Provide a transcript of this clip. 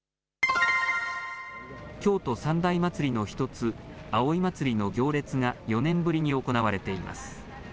京都三大祭りの１つ、葵祭の行列が４年ぶりに行われています。